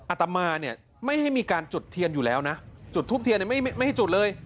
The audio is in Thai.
อาตมาเนี่ยไม่ให้มีการจุดเทียนอยู่แล้วนะจุดทูปเทียนไม่ให้จุดเลย